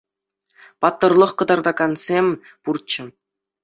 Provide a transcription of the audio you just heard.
Паттӑрлӑх кӑтартакансем пурччӗ.